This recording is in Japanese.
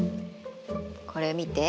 これ見て。